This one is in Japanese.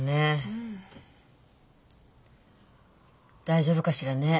大丈夫かしらね？